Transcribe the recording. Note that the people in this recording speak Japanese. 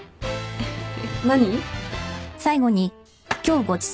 えっ何？